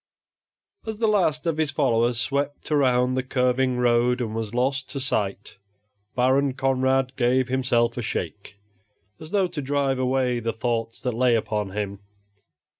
As the last of his followers swept around the curving road and was lost to sight, Baron Conrad gave himself a shake, as though to drive away the thoughts that lay upon him.